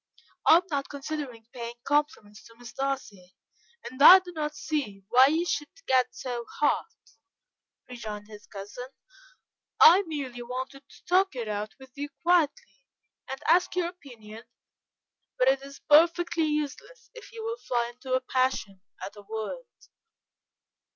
"I am not considering paying compliments to Miss Darcy, and I do not see why you should get so hot," rejoined his cousin. "I merely wanted to talk it out with you quietly, and ask your opinion; but it is perfectly useless if you will fly into a passion at a word."